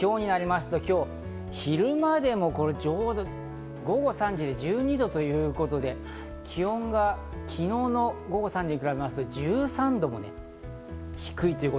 今日になりますと今日、昼間でも午後３時で１２度ということで、気温が昨日の午後３時に比べますと１３度も低い。